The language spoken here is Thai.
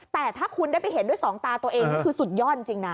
แต่ถ้าคุณได้ไปเห็นด้วยสองตาตัวเองนี่คือสุดยอดจริงนะ